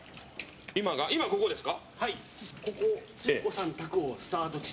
今、ここですか。